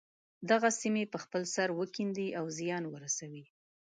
دغه سیمې په خپل سر وکیندي او زیان ورسوي.